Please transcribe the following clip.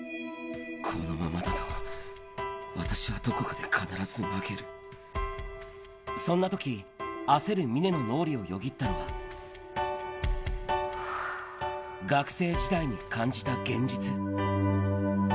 このままだと私はどこかで必そんなとき、焦る峰の脳裏をよぎったのは、学生時代に感じた現実。